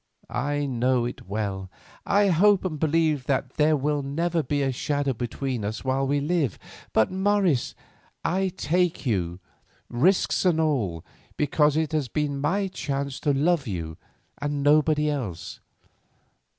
I know it well enough. I hope and believe that there will never be a shadow between us while we live. But, Morris, I take you, risks and all, because it has been my chance to love you and nobody else.